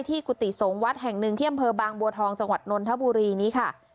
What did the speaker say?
กุฏิสงฆ์วัดแห่งหนึ่งที่อำเภอบางบัวทองจังหวัดนนทบุรีนี้ค่ะ